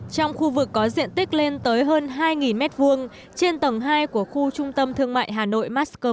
trong khu vực có diện tích lên tới hơn hai m hai trên tầng hai của khu trung tâm thương mại hà nội moscow